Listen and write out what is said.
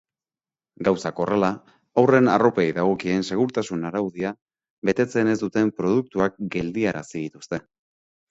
Gauzak horrela, haurren arropei dagokien segurtasun-araudia betetzen ez duten produktuak geldiarazi dituzte.